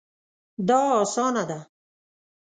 دا اسانه ده